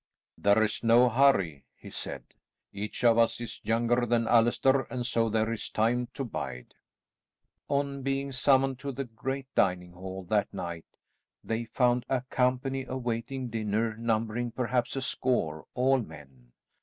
"There is no hurry," he said. "Each of us is younger than Allaster and so there is time to bide." On being summoned to the great dining hall that night, they found a company awaiting dinner numbering perhaps a score, all men.